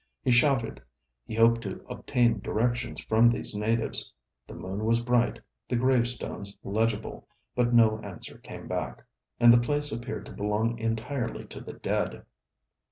He shouted; he hoped to obtain directions from these natives: the moon was bright, the gravestones legible; but no answer came back, and the place appeared to belong entirely to the dead.